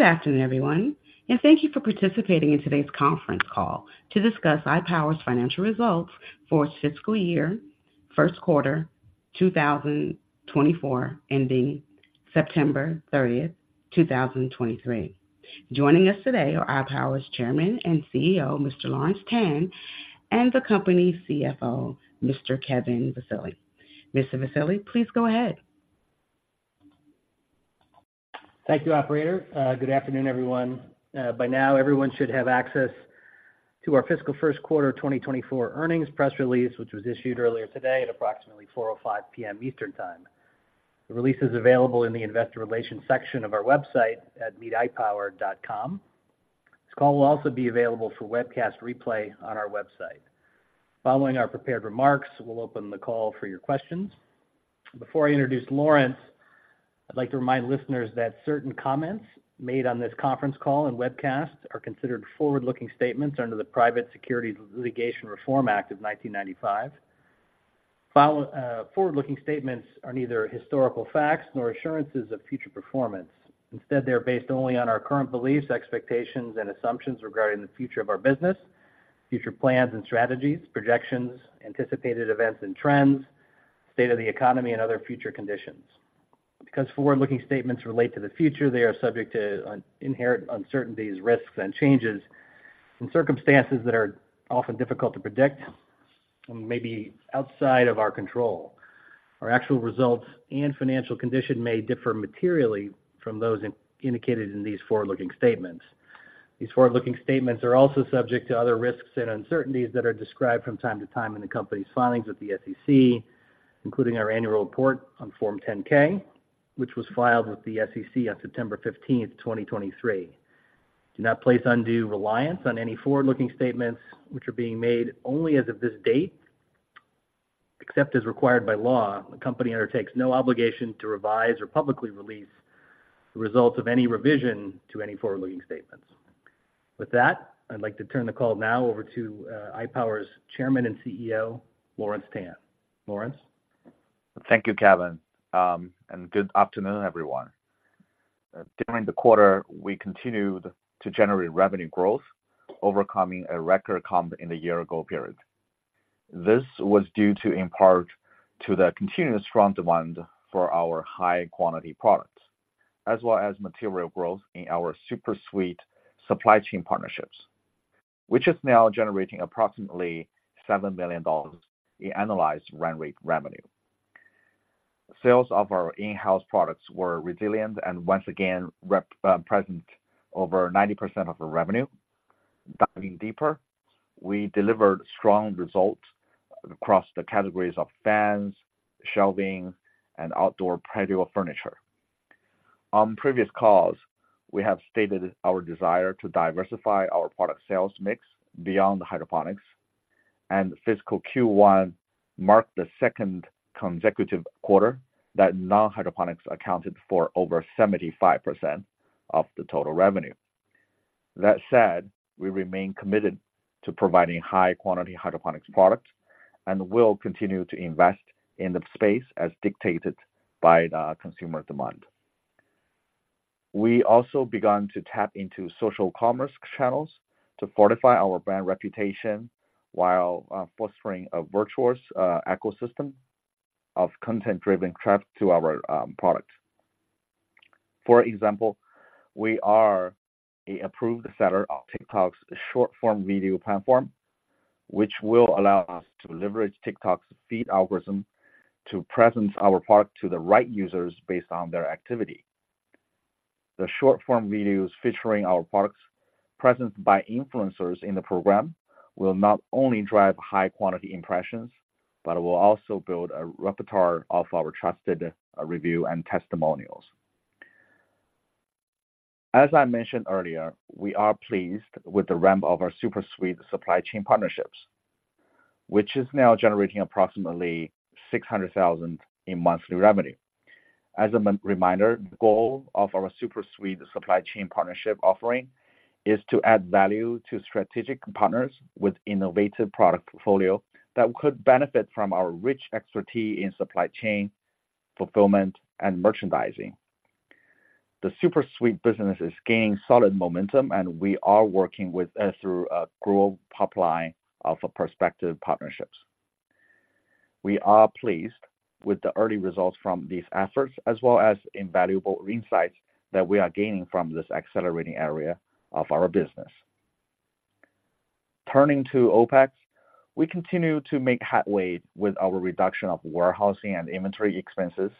Good afternoon, everyone, and thank you for participating in today's conference call to discuss iPower's financial results for its fiscal year first quarter, 2024, ending September 30th, 2023. Joining us today are iPower's Chairman and CEO, Mr. Lawrence Tan, and the company's CFO, Mr. Kevin Vassily. Mr. Vassily, please go ahead. Thank you, operator. Good afternoon, everyone. By now, everyone should have access to our fiscal first quarter 2024 earnings press release, which was issued earlier today at approximately 4:05 P.M. Eastern Time. The release is available in the investor relations section of our website at ipower.com. This call will also be available for webcast replay on our website. Following our prepared remarks, we'll open the call for your questions. Before I introduce Lawrence, I'd like to remind listeners that certain comments made on this conference call and webcast are considered forward-looking statements under the Private Securities Litigation Reform Act of 1995. Follow, forward-looking statements are neither historical facts nor assurances of future performance. Instead, they are based only on our current beliefs, expectations, and assumptions regarding the future of our business, future plans and strategies, projections, anticipated events and trends, state of the economy, and other future conditions. Because forward-looking statements relate to the future, they are subject to inherent uncertainties, risks, and changes in circumstances that are often difficult to predict and may be outside of our control. Our actual results and financial condition may differ materially from those indicated in these forward-looking statements. These forward-looking statements are also subject to other risks and uncertainties that are described from time to time in the company's filings with the SEC, including our annual report on Form 10-K, which was filed with the SEC on September 15th, 2023. Do not place undue reliance on any forward-looking statements which are being made only as of this date. Except as required by law, the company undertakes no obligation to revise or publicly release the results of any revision to any forward-looking statements. With that, I'd like to turn the call now over to iPower's chairman and CEO, Lawrence Tan. Lawrence? Thank you, Kevin, and good afternoon, everyone. During the quarter, we continued to generate revenue growth, overcoming a record comp in the year ago period. This was due to in part to the continuous strong demand for our high-quality products, as well as material growth in our SuperSuite supply chain partnerships, which is now generating approximately $7 million in annualized run rate revenue. Sales of our in-house products were resilient and once again represent over 90% of the revenue. Diving deeper, we delivered strong results across the categories of fans, shelving, and outdoor patio furniture. On previous calls, we have stated our desire to diversify our product sales mix beyond hydroponics, and fiscal Q1 marked the second consecutive quarter that non-hydroponics accounted for over 75% of the total revenue. That said, we remain committed to providing high-quality hydroponics products and will continue to invest in the space as dictated by the consumer demand. We also began to tap into social commerce channels to fortify our brand reputation while fostering a virtuous ecosystem of content-driven traffic to our products. For example, we are an approved seller of TikTok's short-form video platform, which will allow us to leverage TikTok's feed algorithm to present our product to the right users based on their activity. The short-form videos featuring our products presented by influencers in the program will not only drive high-quality impressions, but will also build a repertoire of our trusted review and testimonials. As I mentioned earlier, we are pleased with the ramp of our SuperSuite supply chain partnerships, which is now generating approximately $600,000 in monthly revenue. As a reminder, the goal of our SuperSuite supply chain partnership offering is to add value to strategic partners with innovative product portfolio that could benefit from our rich expertise in supply chain, fulfillment, and merchandising. The SuperSuite business is gaining solid momentum, and we are working with through a growth pipeline of prospective partnerships. We are pleased with the early results from these efforts, as well as invaluable insights that we are gaining from this accelerating area of our business. Turning to OpEx, we continue to make headway with our reduction of warehousing and inventory expenses.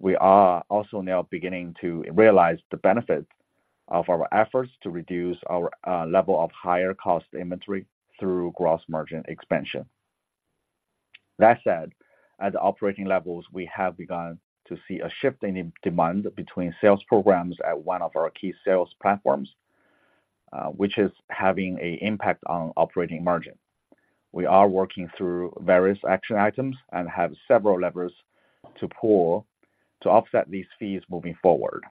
We are also now beginning to realize the benefits of our efforts to reduce our level of higher-cost inventory through gross margin expansion. That said, at the operating levels, we have begun to see a shift in demand between sales programs at one of our key sales platforms, which is having an impact on operating margin. We are working through various action items and have several levers to pull to offset these fees moving forward.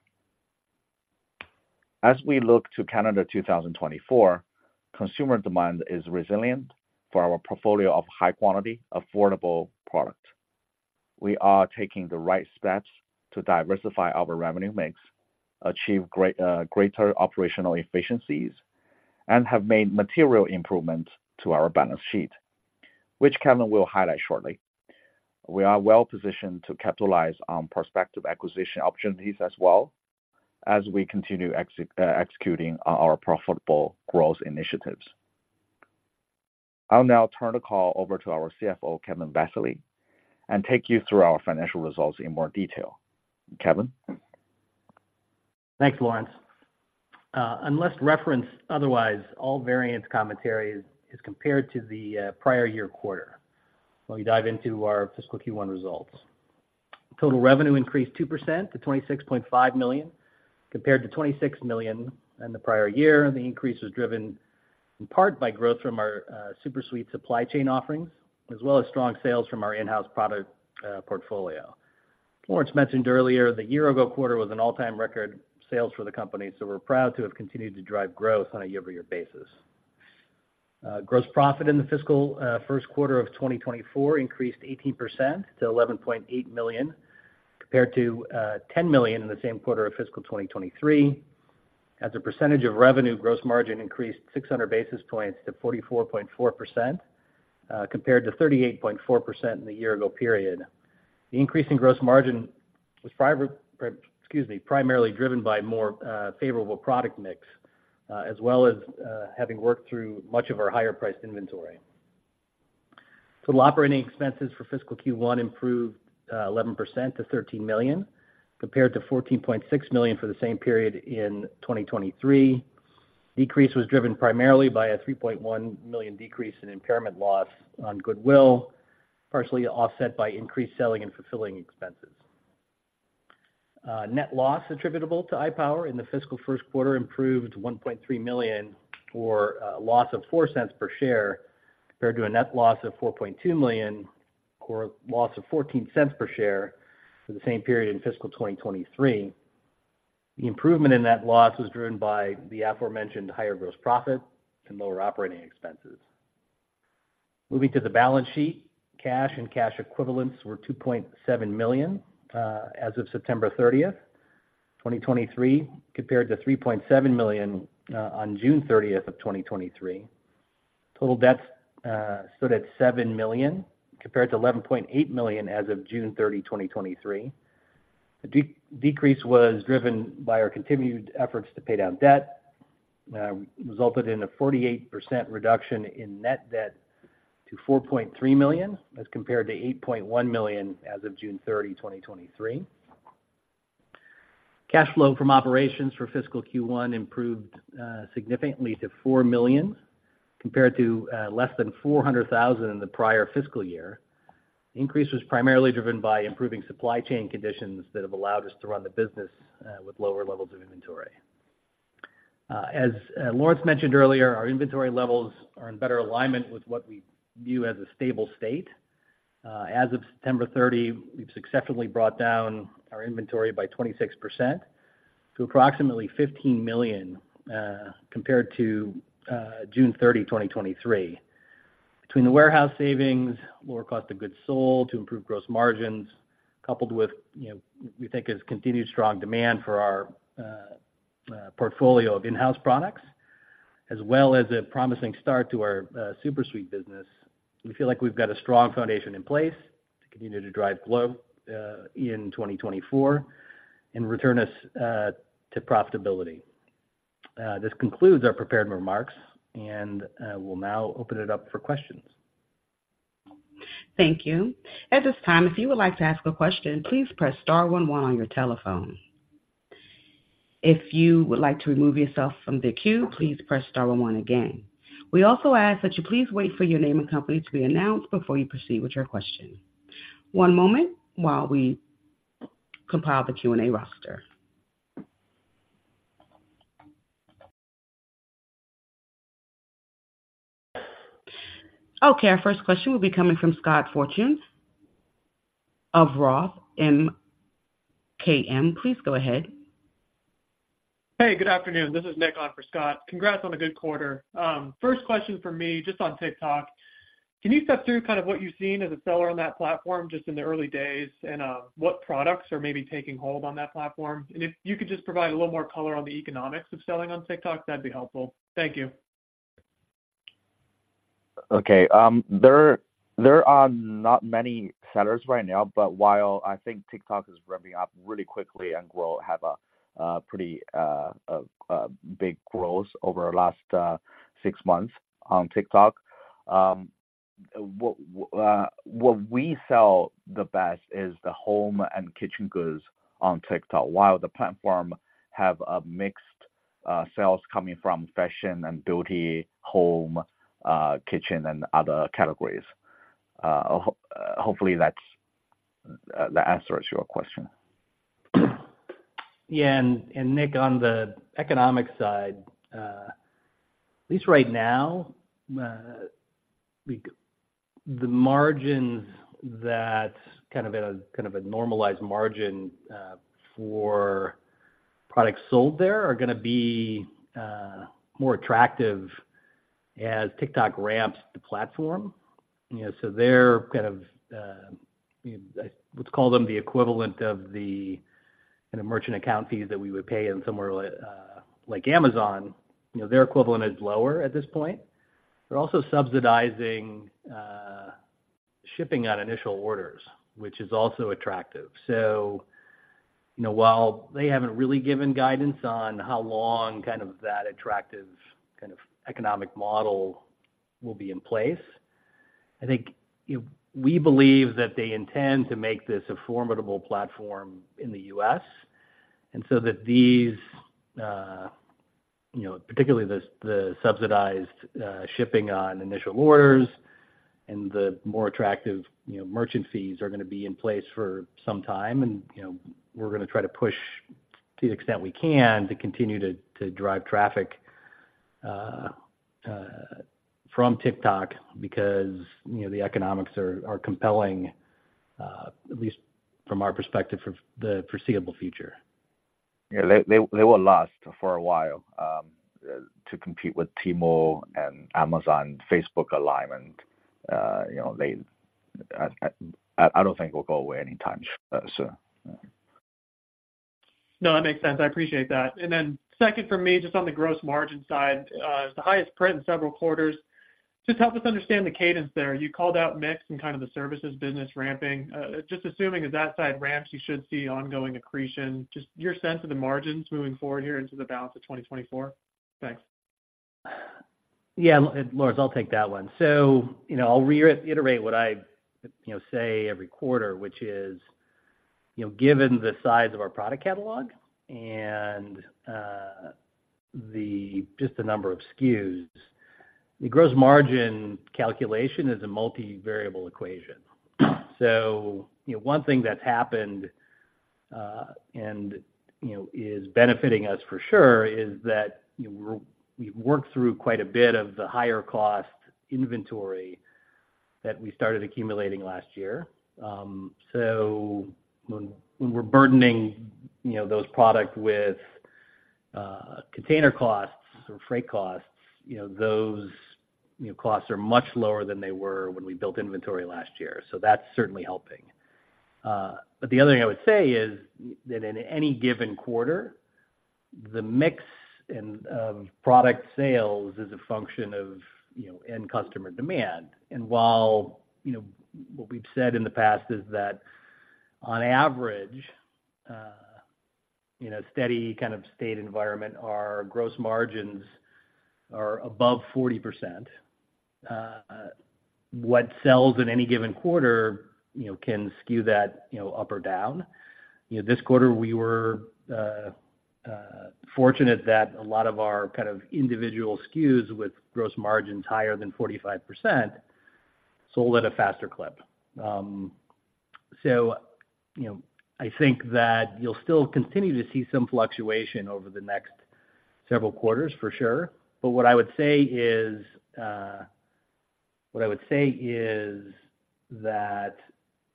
As we look to calendar 2024, consumer demand is resilient for our portfolio of high quality, affordable products. We are taking the right steps to diversify our revenue mix, achieve greater operational efficiencies, and have made material improvements to our balance sheet, which Kevin will highlight shortly. We are well positioned to capitalize on prospective acquisition opportunities as well, as we continue executing our profitable growth initiatives. I'll now turn the call over to our CFO, Kevin Vassily, and take you through our financial results in more detail. Kevin? Thanks, Lawrence. Unless referenced otherwise, all variance commentary is compared to the prior year quarter. Let me dive into our fiscal Q1 results. Total revenue increased 2% to $26.5 million, compared to $26 million in the prior year. The increase was driven in part by growth from our SuperSuite supply chain offerings, as well as strong sales from our in-house product portfolio. Lawrence mentioned earlier, the year ago quarter was an all-time record sales for the company, so we're proud to have continued to drive growth on a year-over-year basis. Gross profit in the fiscal first quarter of 2024 increased 18% to $11.8 million, compared to $10 million in the same quarter of fiscal 2023. As a percentage of revenue, gross margin increased 600 basis points to 44.4%, compared to 38.4% in the year ago period. The increase in gross margin was primarily driven by more favorable product mix, as well as having worked through much of our higher-priced inventory. Total operating expenses for fiscal Q1 improved 11% to $13 million, compared to $14.6 million for the same period in 2023. Decrease was driven primarily by a $3.1 million decrease in impairment loss on goodwill, partially offset by increased selling and fulfilling expenses. Net loss attributable to iPower in the fiscal first quarter improved to $1.3 million, or loss of $0.04 per share, compared to a net loss of $4.2 million, or loss of $0.14 per share for the same period in fiscal 2023. The improvement in that loss was driven by the aforementioned higher gross profit and lower operating expenses. Moving to the balance sheet, cash and cash equivalents were $2.7 million as of September 30th, 2023, compared to $3.7 million on June 30th, 2023. Total debts stood at $7 million, compared to $11.8 million as of June 30th, 2023. The decrease was driven by our continued efforts to pay down debt, resulted in a 48% reduction in net debt to $4.3 million, as compared to $8.1 million as of June 30, 2023. Cash flow from operations for fiscal Q1 improved significantly to $4 million, compared to less than $400,000 in the prior fiscal year. The increase was primarily driven by improving supply chain conditions that have allowed us to run the business with lower levels of inventory. As Lawrence mentioned earlier, our inventory levels are in better alignment with what we view as a stable state. As of September 30, we've successfully brought down our inventory by 26% to approximately $15 million, compared to June 30, 2023. Between the warehouse savings, lower cost of goods sold to improve gross margins, coupled with, you know, we think is continued strong demand for our portfolio of in-house products, as well as a promising start to our SuperSuite business. We feel like we've got a strong foundation in place to continue to drive growth in 2024 and return us to profitability. This concludes our prepared remarks and we'll now open it up for questions. Thank you. At this time, if you would like to ask a question, please press star one one on your telephone. If you would like to remove yourself from the queue, please press star one one again. We also ask that you please wait for your name and company to be announced before you proceed with your question. One moment while we compile the Q&A roster. Okay, our first question will be coming from Scott Fortune of Roth MKM. Please go ahead. Hey, good afternoon. This is Nick on for Scott. Congrats on a good quarter. First question for me, just on TikTok. Can you step through kind of what you've seen as a seller on that platform just in the early days? And, what products are maybe taking hold on that platform? And if you could just provide a little more color on the economics of selling on TikTok, that'd be helpful. Thank you. Okay, there are not many sellers right now, but while I think TikTok is revving up really quickly and will have a pretty big growth over the last six months on TikTok. What we sell the best is the home and kitchen goods on TikTok, while the platform have a mixed sales coming from fashion and beauty, home, kitchen, and other categories. Hopefully, that's that answers your question. Yeah, and, and Nick, on the economic side, at least right now, the margins that kind of at a, kind of a normalized margin, for products sold there are gonna be, more attractive as TikTok ramps the platform, you know, so they're kind of, let's call them the equivalent of the, kind of, merchant account fees that we would pay in somewhere like, like Amazon. You know, their equivalent is lower at this point. They're also subsidizing, shipping on initial orders, which is also attractive. So, you know, while they haven't really given guidance on how long kind of that attractive kind of economic model will be in place, I think, you know, we believe that they intend to make this a formidable platform in the U.S., and so that these, you know, particularly the subsidized shipping on initial orders and the more attractive, you know, merchant fees are gonna be in place for some time. And, you know, we're gonna try to push, to the extent we can, to continue to drive traffic from TikTok because, you know, the economics are compelling, at least from our perspective, for the foreseeable future. Yeah, they will last for a while to compete with Temu and Amazon, Facebook Live, and, you know, I don't think they will go away anytime soon, so. No, that makes sense. I appreciate that. And then second for me, just on the gross margin side, the highest print in several quarters. Just help us understand the cadence there. You called out mix and kind of the services business ramping. Just assuming as that side ramps, you should see ongoing accretion. Just your sense of the margins moving forward here into the balance of 2024. Thanks. Yeah, Lawrence, I'll take that one. So, you know, I'll reiterate what I, you know, say every quarter, which is, you know, given the size of our product catalog and just the number of SKUs, the gross margin calculation is a multivariable equation. So, you know, one thing that's happened and, you know, is benefiting us for sure, is that, you know, we've worked through quite a bit of the higher cost inventory that we started accumulating last year. So when we're burdening, you know, those products with container costs or freight costs, you know, those, you know, costs are much lower than they were when we built inventory last year. So that's certainly helping. But the other thing I would say is that in any given quarter, the mix and product sales is a function of, you know, end customer demand. And while, you know, what we've said in the past is that on average, you know, steady kind of state environment, our gross margins are above 40%. What sells in any given quarter, you know, can skew that, you know, up or down. You know, this quarter we were fortunate that a lot of our kind of individual SKUs with gross margins higher than 45% sold at a faster clip. So, you know, I think that you'll still continue to see some fluctuation over the next several quarters for sure, but what I would say is, what I would say is that,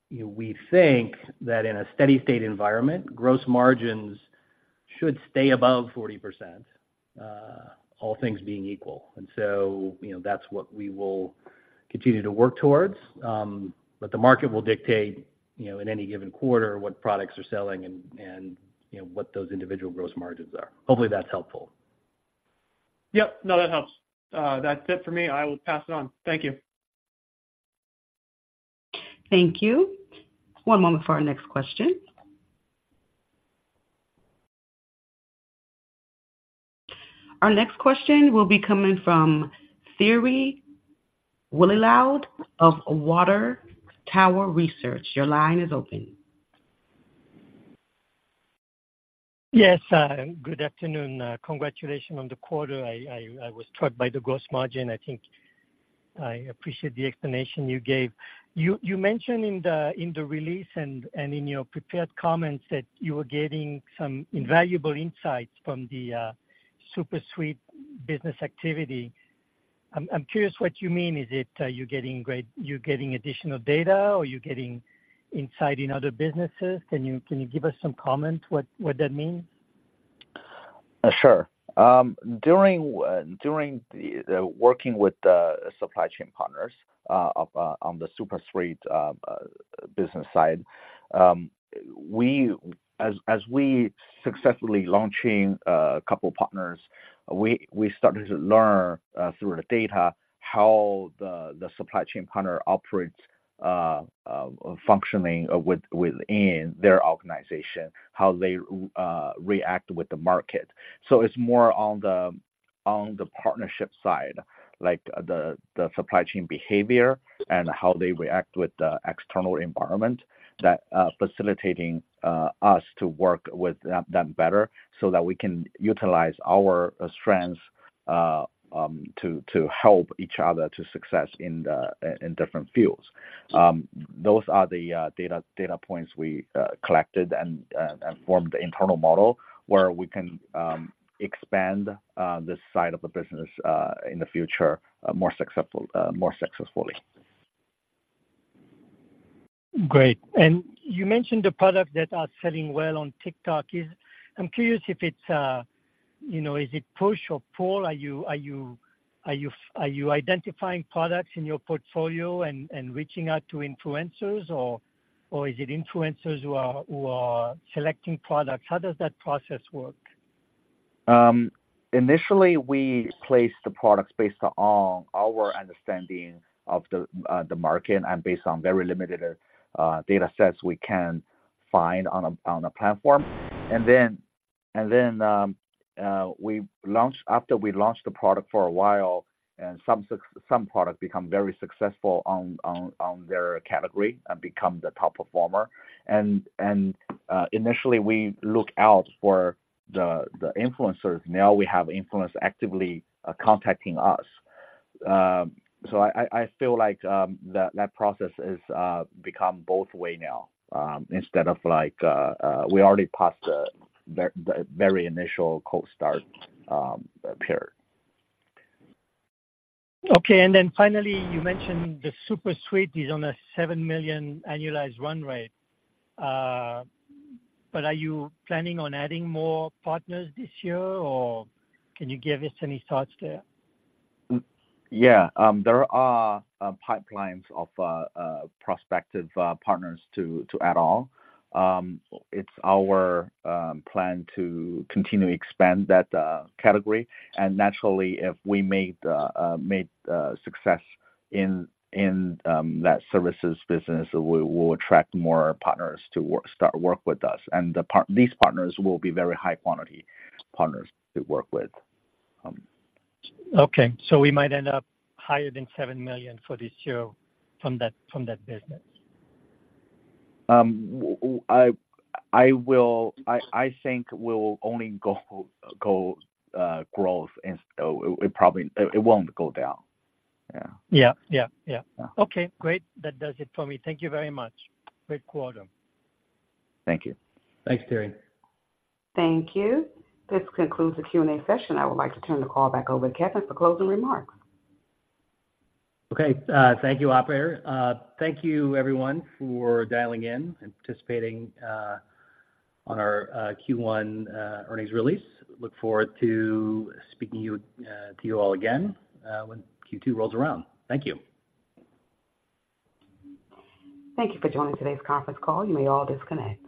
you know, we think that in a steady state environment, gross margins should stay above 40%, all things being equal. So, you know, that's what we will continue to work towards, but the market will dictate, you know, in any given quarter, what products are selling and, you know, what those individual gross margins are. Hopefully, that's helpful. Yep. No, that helps. That's it for me. I will pass it on. Thank you. Thank you. One moment for our next question. Our next question will be coming from Thierry Wuilloud of Water Tower Research. Your line is open. Yes, good afternoon. Congratulations on the quarter. I was struck by the gross margin. I think I appreciate the explanation you gave. You mentioned in the release and in your prepared comments that you were getting some invaluable insights from the SuperSuite business activity. I'm curious what you mean. Is it you're getting additional data, or you're getting insight in other businesses? Can you give us some comment what that means? Sure. During, during the working with the supply chain partners, of, on the SuperSuite business side, we—as, as we successfully launching, a couple partners, we, we started to learn, through the data, how the, the supply chain partner operates, functioning within their organization, how they, react with the market. So it's more on the, on the partnership side, like the, the supply chain behavior and how they react with the external environment that, facilitating, us to work with them, them better so that we can utilize our strengths, to, to help each other to success in the, in different fields. Those are the data points we collected and formed the internal model, where we can expand this side of the business in the future more successfully. Great. And you mentioned the products that are selling well on TikTok. I'm curious if it's, you know, is it push or pull? Are you identifying products in your portfolio and reaching out to influencers, or is it influencers who are selecting products? How does that process work? Initially, we placed the products based on our understanding of the market and based on very limited data sets we can find on a platform. We launched. After we launched the product for a while and some products become very successful on their category and become the top performer. Initially, we look out for the influencers. Now we have influencers actively contacting us. So I feel like that process is become both way now, instead of like we already passed the very initial cold start period. Okay. And then finally, you mentioned the SuperSuite is on a $7 million annualized run rate. But are you planning on adding more partners this year, or can you give us any thoughts there? Yeah. There are pipelines of prospective partners to add on. It's our plan to continue to expand that category. And naturally, if we made the made success in that services business, we'll attract more partners to start work with us. And these partners will be very high quantity partners to work with. Okay, so we might end up higher than $7 million for this year from that, from that business? I will... I think we'll only go growth, and so it probably won't go down. Yeah. Yeah. Yeah, yeah. Yeah. Okay, great. That does it for me. Thank you very much. Great quarter. Thank you. Thanks, Thierry. Thank you. This concludes the Q&A session. I would like to turn the call back over to Kevin for closing remarks. Okay. Thank you, operator. Thank you everyone for dialing in and participating on our Q1 earnings release. Look forward to speaking to you all again when Q2 rolls around. Thank you. Thank you for joining today's conference call. You may all disconnect.